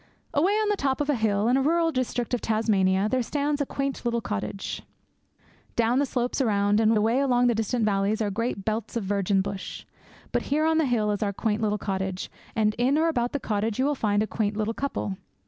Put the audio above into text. Away on the top of a hill, in a rural district of Tasmania, there stands a quaint little cottage. Down the slopes around, and away along the distant valleys, are great belts of virgin bush. But here on the hill is our quaint little cottage, and in or about the cottage you will find a quaint little couple.